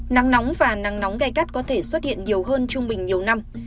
nắng nóng và nắng nóng gai gắt có thể xuất hiện nhiều hơn trung bình nhiều năm